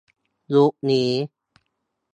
ยุคนี้